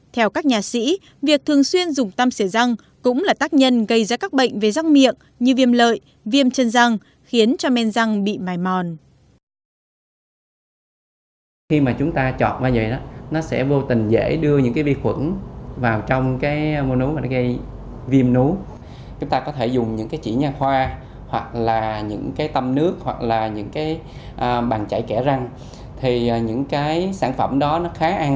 theo các nhà sĩ việc thường xuyên dùng tăm xỉa răng cũng là tác nhân gây ra các bệnh về răng miệng như viêm lợi viêm chân răng khiến cho men răng bị mài mòn